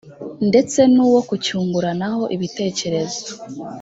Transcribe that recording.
ndetse n uwo kucyunguranaho ibitekerezo